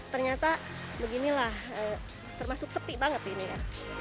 ternyata beginilah termasuk sepi banget ini ya